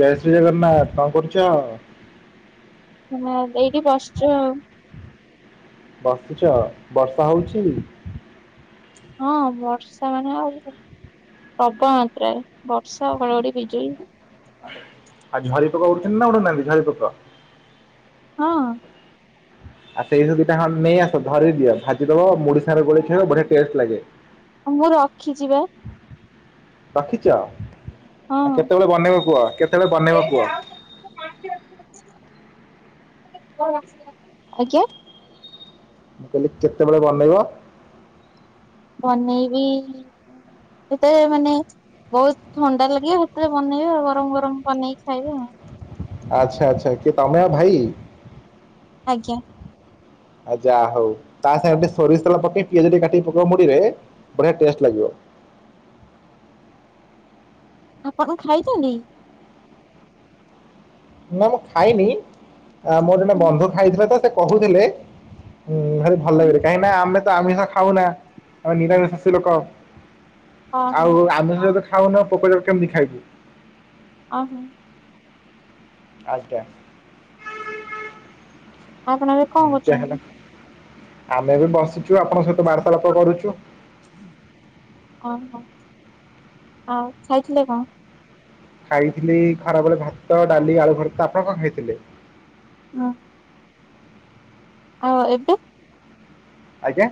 ଜୟ ଶ୍ରୀ ଜଗନ୍ନାଥ କଣ କରୁଚ? ହଁ ଏଇଠି ବସଚୁ ଆଉ। ବସିଚ ବର୍ଷା ହଉଚି? ହଁ ବର୍ଷା ମାନେ ଆଉ ପ୍ରବଳ ମାତ୍ରାରେ ବର୍ଷା, ଘଡ଼ଘଡ଼ି, ବିଜୁଳି। ଆଉ ଝରି ପୋକ ଉଡ଼ୁଚନ୍ତି ନା ଉଡ଼ୁନାହାନ୍ତି ଝରି ପୋକ। ହଁ। ଆଉ ସେଇଥୁରୁ ଦିଟା ଙ୍କ ନେଇ ଆସ ଧରି ଦିଅ ଭାଜିଦବ ମୁଢ଼ି ସାଙ୍ଗରେ ଗୋଳେଇ ଖାଇବ ବଢିଆ ଟେଷ୍ଟ ଲାଗେ। ମୁଁ ରଖିଚି ବା। ରଖିଚ ଆ ହଁ। କେତବଳେ ବନେଇବା କୁହ କେତେବେଳେ ବନେଇବା କୁଅ। ଆଜ୍ଞା। ମୁଁ କହିଲି କେତେବେଳେ ବନେଇବ? ବନେଇବି ଯେତେବେଳେ ମାନେ ବହୁତ ଥଣ୍ଡା ଲାଗିବ ହେତେବେଳେ ବନେଇବି ଆଉ ଗରମ ଗରମ ବନେଇକି ଖାଇବି ଆଉ। ଆଚ୍ଛା ଆଚ୍ଛା କିଏ ତମେ ଆଉ ଭାଇ? ଆଜ୍ଞା। ଆ ଯାହା ହଉ ତା ସାଙ୍ଗେରେ ଟିକେ ସୋରିଷ ତେଲ ପକେଇ ପିଆଜ ଟିକେ କାଟିକି ପକେଇବ ମୁଢ଼ିରେ ବଢ଼ିଆ ଟେଷ୍ଟ ଲାଗିବ। ଆପଣ କଣ ଖାଇଚନ୍ତି? ନା ମୁଁ ଖାଇନି ଆ ମୋର ଜଣେ ବନ୍ଧୁ ଖାଇଥିଲେ ତ ସେ କହୁଥିଲେ। ହୁଁ ଭାରି ଭଲ ଲାଗେରେ କାହିଁକି ନା ଆମେ ତ ଆମିଷ ଖାଉନା। ଆଉ ନିରାମିଷାସି ଲୋକ ହଁ ହଁ ଆଉ ଆମିଷ ତ ଖାଉନୁ ଆଉ ପୋକ ଜୋକ କେମତି ଖାଇବୁ। ଅହୋ। ଆଜ୍ଞା ଆପଣ ଏବେ କଣ ଇଁ ତିଆ କରୁଛନ୍ତି ହେଲା ଆମେ ବି ବସିଚୁ ଆପଣଙ୍କ ସହିତ ବାର୍ତ୍ତାଳପ କରୁଚୁ। ଓହୋ ଆଉ ଖାଇଥିଲେ କଣ? ଖାଇଥିଲି ଖରାବଳେ ଭାତ, ଡାଲି, ଆଳୁ ଭର୍ତ୍ତା। ଆପଣ କଣ ଖାଇଥିଲେ? ହଁ। ଆଉ ଏବେ? ଆଜ୍ଞା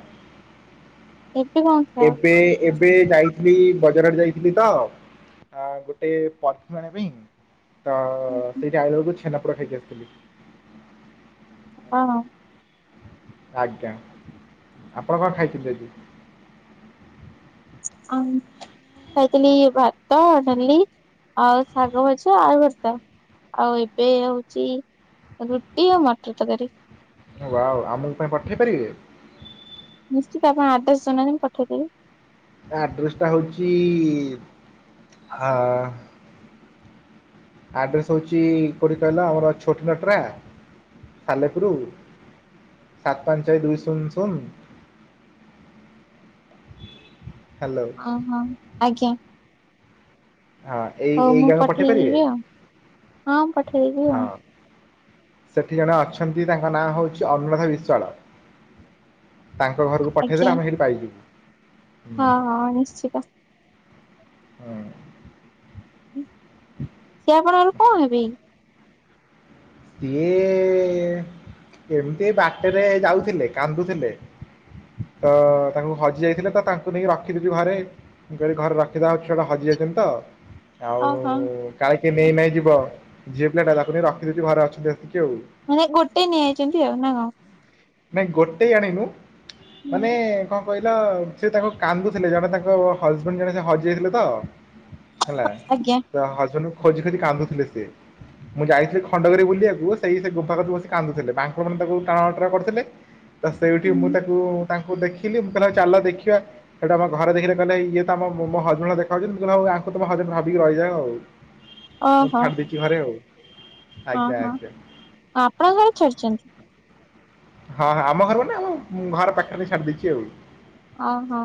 ଏବେ କଣ ଖାଅ ଏବେ ଏବେ ଯାଇଥିଲି ବଜାର ଆଡ଼େ ଯାଇଥିଲି ତ ଅ ଗୋଟେ ପରଫି୍ୟୁମ ଆଣିବା ପାଇଁ ତ ଅ ଅ ସେଇଠି ଅଇଲା ବେଳକୁ ଛେନାପୋଡ଼ ଖାଇକି ଆସିଥିଲି। କଣ? ଆଜ୍ଞା ଆପଣ କଣ ଖାଇଥିଲେ ଆଜି? [unintelligible] ଖାଇଥିଲି ଭାତ, ଡାଲି ଆଉ ଶାଗଭଜା, ଆଳୁ ଭର୍ତା। ଆଉ ଏବେ ହଉଚି ରୁଟି ଆଉ ମଟର ତରକାରୀ। ୱାଓ ଆମୁକୁ ପାଇଁ ପଠେଇ ପାରିବେ? ନିଶ୍ଚିତ ଆପଣ ଆଡ୍ରେସ୍ ଦଉ ନାହାନ୍ତି ମୁଁ ପଠେଇଦେବି। ଆଡ୍ରେସ ଟା ହଉଛି ହ ଆଡ଼୍ରେସ୍ ହଉଚି କୋଉଠି କହିଲ ଆମର ଛୋଟ ନଟ୍ରା ସାଲେପୁର ସାତ ପାଞ୍ଚ ଦୁଇ ଶୂନ ଶୁନ। ହାଲୋ। ଓହୋ ଆଜ୍ଞା। ହଁ ଏଇ ହଉ ଏଇ ମୁଁ ଗାଁକୁ ପଠେଇ ପାରିବେ ପଠେଇଦେବି ଆଉ ହଁ ପଠେଇଦେବି ଆଉ ହଁ। ସେଠି ଜଣେ ଅଛନ୍ତି ତାଙ୍କ ନାଁ ହେଉଛି ଅନୁରାଧା ବିଶ୍ୱାଳ। ତାଙ୍କ ଘରୁକୁ ଆଜ୍ଞା ପଠେଇଦେଲେ ଆମେ ସେଇଠି ପାଇଯିବୁ। ହୁଁ ହଁ ହଁ ନିଶ୍ଚିତ। ହୁଁ। ସିଏ ଆପଣଙ୍କର କଣ ହେବେ? ସିଏ ଏମିତି ବାଟରେ ଯାଉଥିଲେ କାନ୍ଦୁଥିଲେ। ତ ତାଙ୍କୁ ହଜି ଯାଇଥିଲେ ତ ତାଙ୍କୁ ନେଇକି ରଖିଦେବି ଘରେ। ମୁଁ କଇଲି ଘରେ ରଖିଦବା ଛୁଆଟା ହଜି ଯାଇଛନ୍ତି ତ। ଆଉ ଓହୋ କାଳେ କିଏ ନେଇ ନାଇଁ ଯିବ ଝିଅ ପିଲାଟା ତାକୁ ନେଇ ରଖିଦେବି ଘରେ ଅଛୁ ଯେତିକି ଆଉ। ମାନେ ଗୋଟେ ନେଇଆଯାଇଚନ୍ତି ଆଉ ନା କଣ? ନାଇଁ ଗୋଟେ ଆଣିନୁ ମାନେ ହୁଁ କଣ କହିଲ ସେ ତାଙ୍କୁ କାନ୍ଦୁଥିଲେ ଜଣେ ତାଙ୍କ ହଜବେଣ୍ଡ ଜଣେ ସେ ହଜିଯାଇଥିଲେ ତ ହେଲା ଆଜ୍ଞା ତ ହଜବେଣ୍ଡ କୁ ଖୋଜି ଖୋଜି କାନ୍ଦୁଥିଲେ ସିଏ। ମୁଁ ଯାଇଥିଲି ଖଣ୍ଡଗିରି ବୁଲିବାକୁ ସେଇ ସେ ଗୁମ୍ଫା [unintelligible] ବସି କାନ୍ଦୁଥିଲେ ବାଙ୍କ ମାନେ ତାକୁ ଟାଣ ଓଟରା କରୁ ଥିଲେ ତ ସେଇଠି ମୁଁ ତାକୁ ତାଙ୍କୁ ଦେଖିଲି ମୁଁ କହିଲି ହଉ ଚାଲ ଦେଖିବା ସେଇଟା ଆମ ଘରେ ଦେଖି କହିଲ ଇଏ ତମ ମୋ ହଜବେଣ୍ଡ ଦେଖା ଯାଉଛନ୍ତି କହିଲ ହଉ ଆଙ୍କୁ ତମ ହଜ ଭାବିକି ରହିଜାଅ ଆଉ। ତାକୁ ଓହୋ ଛାଡି ଦେଇଛି ଘରେ ଆଉ। ହଁ ଆଜ୍ଞା ହଁ ଆଜ୍ଞା। ଆପଣ କଣ ଛଡିଛନ୍ତି? ହଁ ହଁ ଆମ ଘର ମାନେ ଆ ଘର ପାଖରେ ଛାଡ଼ି ଦେଇଛି ଆଉ। ଓହୋ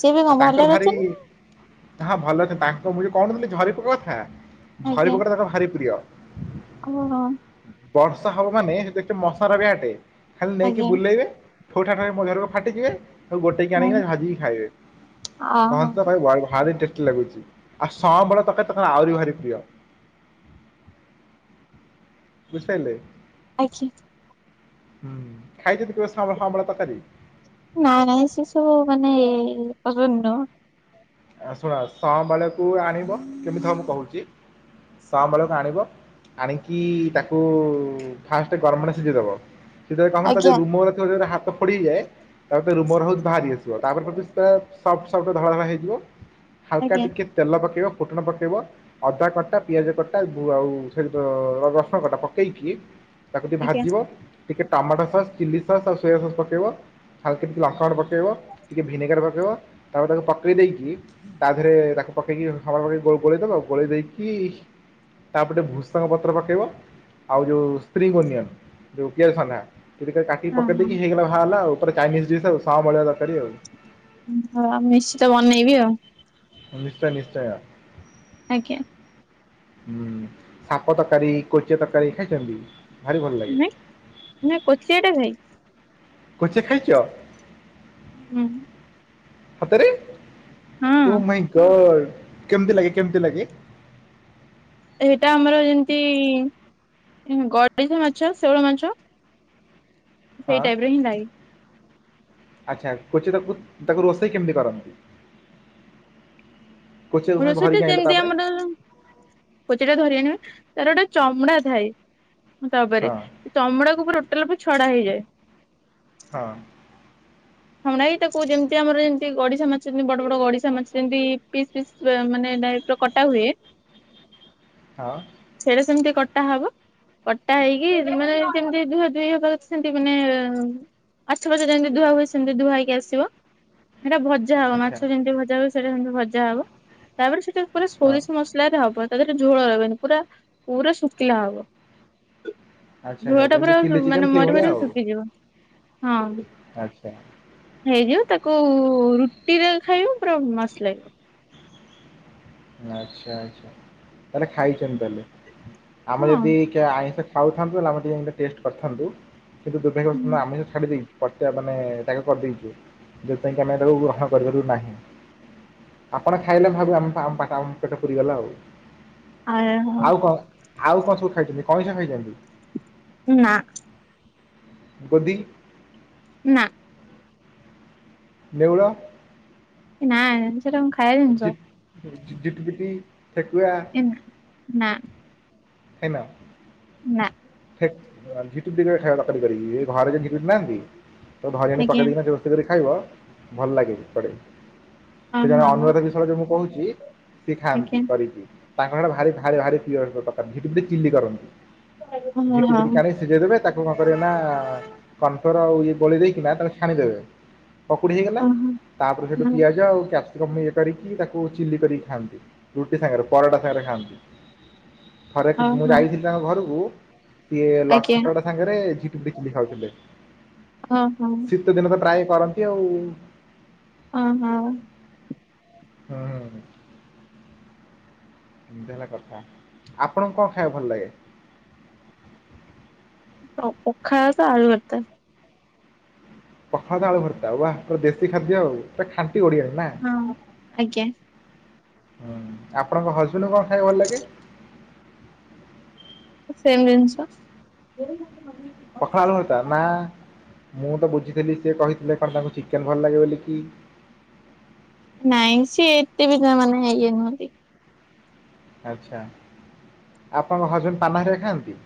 ସିଏ ବି କଣ ଭଲରେ ଅଛନ୍ତି? ତା ଭଲ ଅଛନ୍ତି ତାଙ୍କ ମୁଁ ଯଉ କଣଥିଲି ଝରିପୁକା କଥା ଝରିପୁକା କଥା ତାଙ୍କ ଭାରି ପ୍ରିୟ। [unintelligible] ଓହୋ। ବର୍ଷା ହବ ମାନେ ସେ ମଶାର ବେଟ ଖାଲି ନେଇକି ଆଜ୍ଞା ବୁଲେଇବେ। ଠୋ ଠା ହେଇ ମଝିରୁ ଫାଟିଯିବେ। ଗୋଟେକି ହୁଁ ଆଣିକିନା ଭାଜିକି ଖାଇବେ, ଅହୋ [unintelligible] ଲାଗୁଛି ଆଉ ସମବଳ ତକ ତ ଆହୁରି ଭାରି ପ୍ରିୟ। ବୁଝି ପାଇଲେ। [inaudible] ହୁଁ ଖାଇ ଯଦି କେବେ ସମ୍ ସାମ୍ୱଳ ତରକାରି ନାଇଁ ନାଇଁ ସେ ସବୁ ମାନେ ଅରଣ୍ୟ। ଶୁଣ, ସଁବାଳୁଆକୁ ଆଣିବ। କେମିତି ହବ କହୁଛି? ସଁବାଳୁଆକୁ ଆଣିବ ଆଣିକି ତାକୁ ଫାଷ୍ଟ ଗରମ ପାଣିରେ ସିଝେଇଦବ। ସେଥିବେଳେ କଣ ଆଜ୍ଞା କରିବୁ ମୋର [unintelligible] ଗୁଡା ହାତ ଫଡି ହେଇଯାଏ ତାପରେ ରୁମର ହଉଛି ବାହାରି ଆସିବ। ତାପରେ ସିଏ ସପ୍ଟ ସପ୍ଟ ଧଳା ଧଳା ହେଇଯିବ। ହାଲକା ଆଜ୍ଞା ଟିକେ ତେଲ ପକେଇବ ଫୁଟଣ ପକେଇବ। ଅଦା କଟା ପିଆଜ କଟା ପୁ‌ ଆଉ ସେ ର ରସୁଣ କଟା ପକେଇକି ତାକୁ ଟିକେ ଆଜ୍ଞା ଭାଜିବ ଟିକେ ଟମାଟୋ ସସ୍, ଚିଲି ସସ୍, ଆଉ ସୋୟା ସସ୍, ପକେଇବ ଖାଲ ଟିକେ ଲଙ୍କାଗୁଣ୍ଡ ପକେଇବ ଟିକେ ଭିନେଗାର ପକେଇବ ତାପରେ ତାକୁ ପକେଇ ଦେଇକି ତା ଦେହରେ ତାକୁ ପକେଇକି [unintelligible] ପକେଇକି ଗୋ ଗୋଳେଇ ଦବ ଗୋଲେଇ ଦେଇକି ତାପଟେ ଭୁସଙ୍ଗ ପତ୍ର ପକେଇବ। ଆଉ ଯଉ ସ୍ତ୍ରୀ ଓନିଅନ୍ ଯେଉଁ ପିଆଜସଣ୍ଡା ସେଇଥିରେ କାଟିକି ହଁ ପକେଇ ହଁ। ଦେଇକି ହେଇଗଲା ବାହାରିଲା ଆଉ ଚାଇନି ଡିସ୍ ସଁବାଳୁଆ ତରକାରୀ ଆଉ। ହୁଁ ହଁ ମୁଁ ନିଶ୍ଚିତ ବନେଇବି ଆଉ। ନିଶ୍ଚୟ ନିଶ୍ଚୟ। ଆଜ୍ଞା। ହୁଁ ସାପ ତରକାରୀ, କୋଚିଆ ତରକାରୀ ଖାଇଛନ୍ତି ଭାରି ଭଲ ଲାଗେ। ନାଇଁ ନା କୋଚିଆଟା ଖାଇ କୋଚିଆ ଖାଇଚ? ହୁଁ। ସତରେ ହଁ ଓ ମାଇଁ ଗଡ କେମ୍ତି ଲାଗେ କେମ୍ତି ଲାଗେ? ସେଇଟା ଆମର ଯେମ୍ତି ଉଁ ଗଡିଶା ମାଛ, ଶେଉଳ ମାଛ। ହଁ ସେଇଟାଇପରେ ହିଁ ଲାଗେ। ଆଚ୍ଛା କୋଚିଆକୁ ତାକୁ ରୋଷେଇ କେମିତି କର? କୋଚେକୁ ଭାଇ ରୋଷେଇଟା ଧରିକି ଆଣିଲ ତଯେମତି ତାପରେ ଆମର କୋଚିଆଟା ଧରି ଆଣିବେ। ତାର ଗୋଟେ ଚମଡା ଥାଏ ତା ଉପରେ। ହଁ ଚମଡ଼ାକୁ [unintelligible] ଟୋଟାଲ ଉପରେ ଛଡା ହେଇଯାଏ। ହଁ। ଛଡା ହେଇ ତାକୁ ଯେମିତି ଆମର ଯେମିତି ଗଡିଶା ମାଛ ଯେମିତି ବଡ ବଡ ଗଡିଶା ମାଛ ଯେମିତି ପିସ୍ ପିସ୍ [unintelligible] ମାନେ ଡାଇ କଟା ହୁଏ। ଆଉ? ସେଇଟା ସେମିତି କଟା ହବ। କଟା ହେଇକି ମାନେ ଯେମିତି ଧୁହ ଦୁହି କରିନ୍ତି। ସେମ୍ତି ମାନେ ମାଛଫାଛ ଯେମିତି ଧୁହା ହୁଏ ସେ ସେମିତି ଧୁଆ ହେଇକି ଆସିବ। ସେଟା ଭଜା ହବ ଆଚ୍ଛା ମାଛ ଯେମିତି ଭଜା ହୁଏ ସେଇଟା ସେମିତି ଭଜା ହବ। ତାପରେ ସେଥିରେ ପୁରା ହଁ ସୋରିଷ ମସ୍ ଶୁଖିଲାରେ ହବ ତା ଦେହରେ ଝୋଳ ରହିବନି ପୁରା ପୁରା ଶୁଖିଲା ହବ। ଆଚ୍ଛା ଆଚ୍ଛା ଯେମିତି ଝେଳଟାପୁରା ଚିଲି [unintelligible] ଚିକେନ ମାନେ ମରି ସେଇଭଳିଆ ମରି ଆଉ ଶୁଖିଯିବ ହଁ। ଆଚ୍ଛା। ହେଇଯିବ ତାକୁ ରୁଟିରେ ଖାଇବ ପୁରା ମସ୍ ଲାଗିବ। ଆଚ୍ଛା ଆଚ୍ଛା ତାହେଲେ ଖାଇଚନ୍ତି ତାହେଲେ? ଆମେ ଯଦି ହଁ [unintelligible] ଆଇଁଷ ଖାଉଥାନ୍ତୁ ହେଲେ ଆମେ ଟିକିଏ ଟେଷ୍ଟ କରିଥାନ୍ତୁ। କିନ୍ତୁ ଦୁଭାଗ୍ୟ ବସତ ଆମିଷ ଛାଡ଼ି ଦେଇଚୁ। କଚିଆ ମାନେ ତ୍ୟାଗ କରିଦେଇଚୁ। ଯେଉଁଥିପାଇଁ କି ଆମେ ତାକୁ ଗ୍ରହଣ କରିପାରୁିବୁ ନାହିଁ। ଆପଣ ଖାଇଲେ ଭାବିବୁ ଆମ [unintelligible] ଆମ ପେଟ ପୁରି ଗଲା ଆଉ। ଆ ଆଉ କଣ ଆଉ କଁ ସବୁ ଖାଇଛନ୍ତି କଇଁଛ ଖାଇଛନ୍ତି? ନା। ଗୋଦି? ନା। ନେଉଳ? ନାଇଁ ସେଇଟା କଣ ଖାଇବା ଝି ଜିନିଷ? ଝିଟିପିଟି, ଠେକୁଆ ଏ ନା। ଖାଇନ? ନା। ହେ ଝିଟିପିଟି [unintelligible] ଏ ଘରେ କେହି ଝିଟିପିଟି ନାହାନ୍ତି? ତାକୁ ଧରି ଆଣି ଆଜ୍ଞା ପକେଇଡି କିନା [unintelligible] କରି ଖାଇବ ଭଲ ଲାଗେ ପଡେ। ହଁ ସେ ଜଣେ ହଁ ଅନୁରାଧ ବିଷୟରେ ମୁଁ କହୁଛି ସିଏ ଖାଆନ୍ତି ଆଜ୍ଞା। କରିକି। ତାଙ୍କଟା ସେ ଭାରି ଭାରି ଭାରି ପ୍ରିୟ ତରକାରୀ ଝିଟି ପିଟି ଚିଲି ହଁ କରନ୍ତି ହଁ ଝିଟି ପିଟି ହଁ ଛାଣି ସିଝେଇଦବେ ତାକୁ କଣ କରିବେ ନା-ଆ-ଆ-ଆ କନଫ୍ଲର ଆଉ ଇଏ ଗୋଳି ଦେଇକିନା ତାକୁ ଛାଣିଦେବେ ପକୁଡ଼ି ହେଇଗଲା ହଁ ତାପରେ ସେଇଠୁ ହଁ ପିଆଜ ଆଉ କ୍ୟା ପଶିକମ୍ ଇଏ କରିକି ତାକୁ ଚିଲି କରିକି ଖାଆନ୍ତି ରୁଟି ସାଙ୍ଗରେ ପରଟା ସାଙ୍ଗରେ ଖାଆନ୍ତି। ଥରେ ମୁଁ ହଁ ଯାଇଥିଲି ତାଙ୍କ ଘରକୁ ସିଏ-ଏ-ଏ ଆଜ୍ଞା ଲଛାପରଟା ସାଙ୍ଗରେ ଝିଟିପିଟି ଚିଲି ଖାଉଥିଲେ। ହଁ ହଁ। ସେ ଦିନ ତ ଟ୍ରାଏ କରନ୍ତି ଆଉ-ଉ। ହଁ ହଁ। ହଁ-ଅ-ଅ। ଏମିତି ହେଲା କଥା ଆପଣଙ୍କୁ କଣ ଖାଇବା ଭଲ ଲାଗେ? ହ ପଖାଳ ତ ଆଳୁ ଭରତା। ପଖାଳ ତ ଆଳୁ ଭର୍ତ୍ତା ୱା ପୁରା ଦେଶୀ ଖାଦ୍ୟ ଆଉ ପୁରା ଖାଣ୍ଟି ଓଡିଆଣି ନା। ହଁ। ଆଜ୍ଞା ହୁଁ ଆପଣଙ୍କ ହଜବେଣ୍ଡ କଣ ଖାଇବାକୁ ଭଲ ଲାଗେ? ସେମ୍ ଜିନିଷ। ପଖାଳ ଭର୍ତ୍ତା ନା ମୁଁ ତ ବୁଝିଥିଲି ସେ କହିଥିଲେ କଣ ତାଙ୍କୁ ଚିକେନ୍ ଭଲ ଲାଗେ ବୋଲିିକି। ନାଇଁ ସିଏ ଏତେ ବି ତା ମାନେ ଇଏ ନୁହଁନ୍ତି। ଆଛା ଆପଣଙ୍କ ହଜବେଣ୍ଡ ପାନ ହେରା ଖାଆନ୍ତି?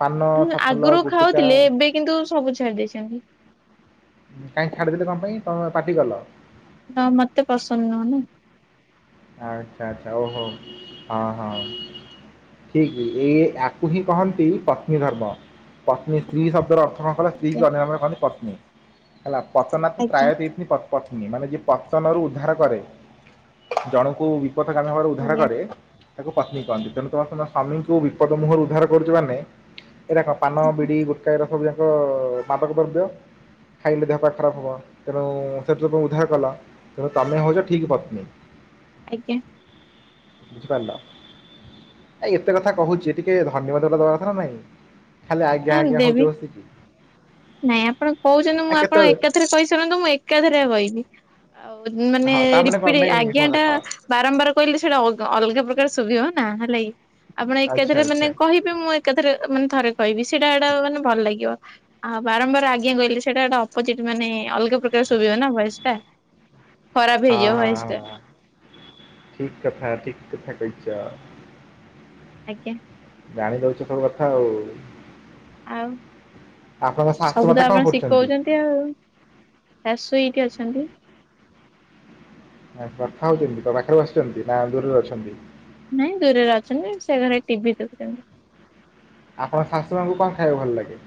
ପାନ ଉ ସାଫଲ ଆଗରୁ ଗୁଟୁକା ଖାଉଥିଲେ ଉଁ, ଏବେ କିନ୍ତୁ ସବୁ ଛାଡି ଦେଇଛନ୍ତି। କାଇ ଛାଡ଼ିଦେଲେ କଣ ପାଇଁ ତମ ପାଟିି କଲ? ହ ମତେ ପସନ୍ଦ ନୁହଁନା। ଆଚ୍ଛା ଆଚ୍ଛା ଓହୋ ହଁ ହଁ। ଠିକ ଏ ୟାକୁ ହିଁ କହନ୍ତି ପତ୍ନୀ ଧର୍ମ ପତ୍ନୀ ସ୍ତ୍ରୀ ଶବ୍ଦର ଅ [unintelligible] ସ୍ତ୍ରୀ ଆଜ୍ଞା ଅନ୍ୟ ନାମରେ କହନ୍ତି ପତ୍ନୀ ହେଲା ପତନାଥ ଆଜ୍ଞା ପ୍ରାୟ ଦି ପପତ୍ନୀ ପତ୍ନୀ ମାନେ ଯିଏ ପତନରୁ ଉଦ୍ଧାର କରେ ଜଣଙ୍କୁ ବିପଦ କାରଣରେ ଉଦ୍ଧାର ଆଜ୍ଞା କରେ ତାକୁ ପତ୍ନୀ କହନ୍ତି ତେଣୁ ତମ ସ୍ବାମୀଙ୍କୁ ବିପଦ ମୁହଁରୁ ଉଦ୍ଧାର କରୁଚ ମାନେ ଏଇଟା କଣ ପାନ, ବିଡି, ଗୁଟକା ଏ ର ସବୁ ଯାକ-ଅ-ଅ-ଅ ମାଦକ ଦ୍ରବ୍ୟ। ଖାଇଲେ ଦେହ ପା ଖରାପ ହେବ ତେଣୁ-ଉ-ଉ-ଉ ସେଥିରୁ ତ ଉଧାର କଲ ତେଣୁ ତମେ ହେଉଛ ଠିକ୍ ପତ୍ନୀ। ଆଜ୍ଞା। ବୁଝିପାରିଲ ଏ ଏତେ କଥା କହୁଛି ଟିକେ ଧନ୍ୟବାଦ ଦବା କଥା ନା ନାଇଁ? ହଁ ଦେବି ନାଇଁ ଆପଣ କହୁଛନ୍ତି ଆ ମୁଁ ଆପଣ କେତେବେଳେ ଏକାଥରେ କହିସାରନ୍ତୁ ମୁଁ ଏ କାଧରେ ହେବକି ଆଉ ମାନେ ହଁ ତା କ'ଣ ରିପିଟ ନାଇଁ ଆଜ୍ଞା ହଁ ଟା ଦେଖ ବାରମ୍ବାର କହିଲେ ସେଇଟା ଅଗା ଅଲଗା ପ୍ରକାର ଶୁଭିବ ନା ହେଲା କିି ଆପଣ ଆଚ୍ଛା ଏକାଥରେ ଆଚ୍ଛା ମାନେ କହି ମୁଁ ଏକାଥରେ ମାନେ ଥରେ କହିବି ସେଇଟା ଏଟା ମାନେ ଭଲ ଲାଗିବ। ଆଉ ବାରମ୍ବାର ଆଜ୍ଞା କହିଲେ ସେଇଟାଟା ଅପୋଜିଟ୍ ମାନେ ଅଲଗା ପ୍ରକାର ଶୁଭିବ ନା ଭୟସ ଟା। ଖରାପ ହେଇଯାଉ ଭଏସ୍ ଟା। ଠିକ୍ କଥା -ଠିକ୍ କଥା କହିଚ। ଆଜ୍ଞା। ଜାଣି ଦଉଚ ସବୁ କଥା ଆଉ। ଆଉ ଆପଣଙ୍କ ଶାଶୁ ମାତା କଣ କରୁଚନ୍ତି? ଏମିତି ଆଉ ଶାଶୁ ଏଇଠି ଅଛନ୍ତି। କଥା ହଉଚନ୍ତି ତ ପାଖରେ ବସିଚନ୍ତି ନା ଦୂରରେ ଅଛନ୍ତି? ନାଇଁ ଦୂରରେ ଅଛନ୍ତି ସେ ଘରେ ଟିଭି ଦେଖୁଚନ୍ତି। ଆପଣ ଶାଶୁମା ଙ୍କୁ କଣ ଖାଇବାକୁ ଭଲ ଲାଗେ?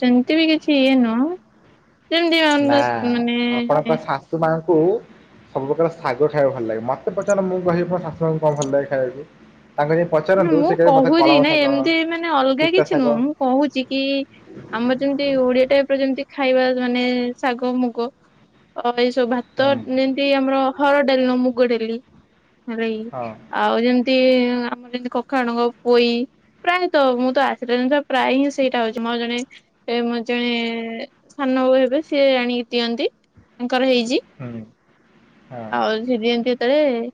ସେମିତି ବି କିଛି ଇଏ ନୁହଁ ଯେମତି ନନଭେଜ୍ ମାନେ ତୁ ମା ଙ୍କୁ ସବୁପ୍ରକାର ଶାଗ ଖାଇବାକୁ ଭଲ ଲାଗେ ମୋତେ ପଚାର ମୁଁ କହିବି ମୋ ଶାଶୁମା ଙ୍କୁ କଣ ଭଲ ଲାଗେ ଖାଇବାକୁ ତାଙ୍କ ମୁଁ କହୁଚି ନାଇ ଏମିତି ମାନେ ଅଲଗା ପିତା କିଛି ଶାଗ ନୁହଁ ମୁଁ କହୁଚି କି ଆମର ଯେମିତି ଓଡିଆ ଟାଇପ୍ ର ଯେମତି ଖାଇବା ମାନେ ଶାଗ ମୁଗ ଅ- ଏଇ ସବୁ ଭାତ୍ ତ ହଁ ଯେମିତି ଆମର ହରଡ ଡାଲି ନୁହଁ ମୁଗ ଡାଲି ହେଲାକି ହଁ ଆଉ ଯେମତି ଆମର ଯେମିତି କଖାରୁ ଡଙ୍କ ପୋଇ ପ୍ରାୟେ ତ ମୁଁ ତ ଆସିଲି [unintelligible] ପ୍ରାୟେ ହିଁ ସେଇଟା ହଉଚି। ମୋର ଜଣେ ଏ ମୋର ଜଣେ ସାନ ବଉ ହେବେ ସିଏ ଆଣିକି ଦିଅନ୍ତି ତାଙ୍କର ହେଇଚି। ହଁ। ଆଉ ସେ ଦିଅନ୍ତି ଯେତେବେଳେ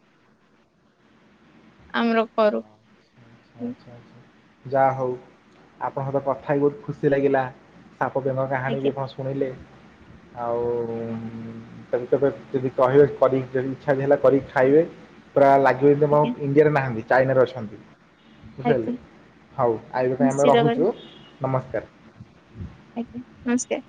ଆମର କରୁ। ଆଚ୍ଛା ଆଚ୍ଛା ଆଚ୍ଛା ଯାହଉ ଆପଣଙ୍କ ସହିତ କଥା ହେଇ ବହୁତ୍ ଖୁସି ଲାଗିଲା। ସାପ ବେଙ୍ଗ କାହାଣୀ ଆଜ୍ଞା ବି ଆପଣ ଶୁଣେଇଲେ ଆଉ ତା ତମ ଯଦି କହିବେ କରିକି ଯଦି ଇଛା ବି ହେଲା କରିକି ଖାଇବେ। ପୁରା ଲାଗ୍ ଜୋଇଁ ତମ ଆଜ୍ଞା ଇଣ୍ଡିଆରେ ନାହାନ୍ତି ଚାଇନାରେ ଅଛନ୍ତି। ବୁଝିପାରିଲେ ଆଜ୍ଞା ହଉ ଆଜି ପାଇଁ ଆମେ ନିଶ୍ଚିତ କରି। ରହୁଚୁ ନମସ୍କାର୍। ଆଜ୍ଞା ନମସ୍କାର୍।